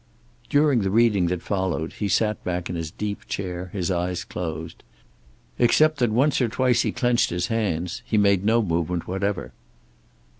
During the reading that followed he sat back in his deep chair, his eyes closed. Except that once or twice he clenched his hands he made no movement whatever.